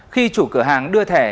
khi chủ cửa hàng đưa thẻ